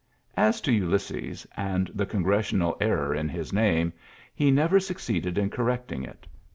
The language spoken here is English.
As to TJlysses and the ^TOf^ngressional error in his name, he never _ ^^iceeded in correcting it.